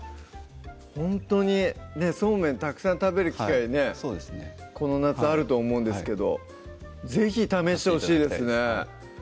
ほんとにそうめんたくさん食べる機会ねこの夏あると思うんですけど是非試してほしいですね